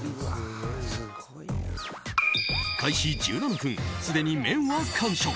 開始１７分、すでに麺は完食。